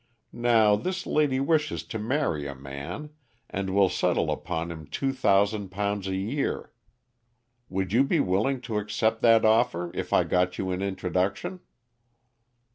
Now, this lady wishes to marry a man, and will settle upon him two thousand pounds a year. Would you be willing to accept that offer if I got you an introduction?"